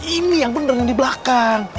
ini yang bener yang di belakang